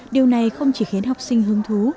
điều này không chỉ khiến học sinh hứng thú